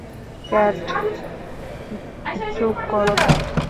Cat, চুপ করো, cat!